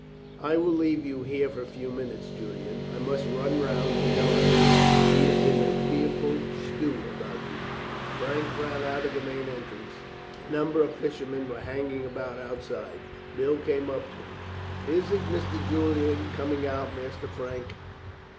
"I will leave you here for a few minutes, Julian. I must run round and tell Aunt; she is in a fearful stew about you." Frank ran out at the main entrance. A number of fishermen were hanging about outside. Bill came up to him: "Isn't Mr. Julian coming out, Master Frank?"